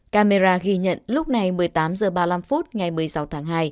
camera ghi nhận lúc này một mươi tám h ba mươi năm phút ngày một mươi sáu tháng hai